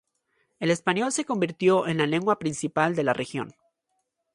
El español se convirtió en la lengua principal de la región.